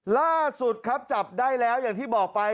ล่าสุดครับจับได้แล้วอย่างที่บอกไป